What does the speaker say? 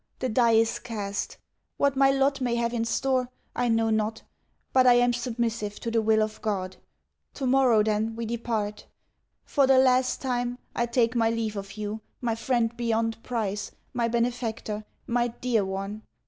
The die is cast! What my lot may have in store I know not, but I am submissive to the will of God. Tomorrow, then, we depart. For the last time, I take my leave of you, my friend beyond price, my benefactor, my dear one!